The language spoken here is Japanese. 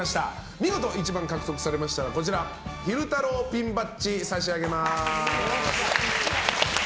見事１番を獲得されましたら昼太郎ピンバッジ差し上げます。